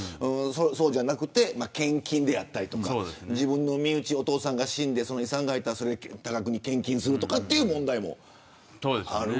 そうじゃなくて献金であったりとか自分の身内のお父さんが死んで遺産が入ったら多額に献金するという問題もある。